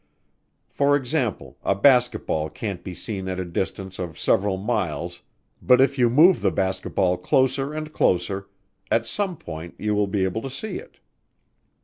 For example, a basketball can't be seen at a distance of several miles but if you move the basketball closer and closer, at some point you will be able to see it.